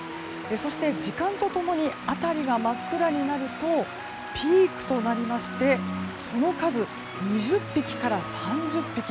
そして、時間と共に辺りが真っ暗になるとピークとなりましてその数２０匹から３０匹。